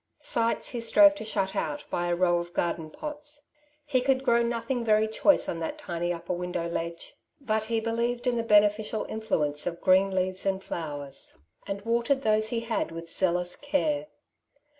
Sights he strove to shut out by a row of garden pots. He could grow nothing VCTy choice on that tiny upper window ledge ; but lie believed in the beneficial influence of green leaves 66 " Two Sides to every Question^* and flowers, and watered those he had with zealous care.